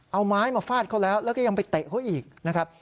เอาไม้มาฟาดเขาแล้วแล้วก็ยังไปเตะเขาอีกนะครับ